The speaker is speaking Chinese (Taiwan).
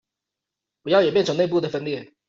不要演變成内部的分裂